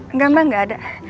enggak mbak gak ada